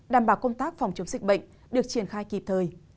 đảm bảo công tác phòng chống dịch bệnh được triển khai kịp thời